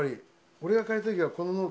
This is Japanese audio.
俺が借りた時はこのノート。